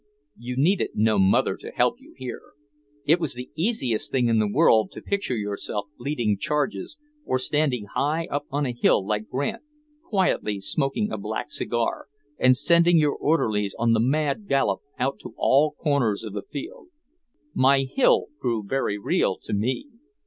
You needed no mother to help you here. It was the easiest thing in the world to picture yourself leading charges or standing high up on a hill like Grant, quietly smoking a black cigar and sending your orderlies on the mad gallop out to all corners of the field. My hill grew very real to me.